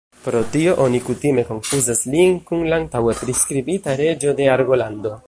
Pro tio, oni kutime konfuzas lin kun la antaŭe priskribita reĝo de Argolando.